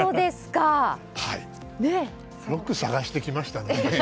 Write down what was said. よく探してきましたね。